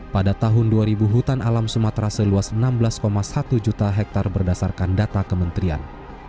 pada tahun dua ribu hutan alam sumatera seluas enam belas satu juta hektare berdasarkan data kementerian